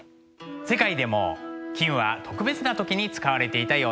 世界でも金は特別な時に使われていたようです。